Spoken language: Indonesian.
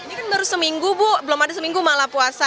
ini kan baru seminggu bu belum ada seminggu malah puasa